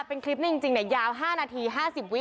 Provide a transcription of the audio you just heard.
เป็นคลิปนี้จริงยาว๕นาที๕๐วิ